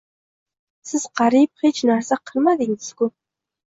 Siz qariyb hech narsa qilmadingizku?